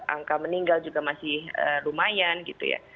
angka meninggal juga masih lumayan gitu ya